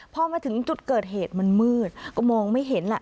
พอมาถึงจุดเกิดเหตุมันมืดก็มองไม่เห็นแหละ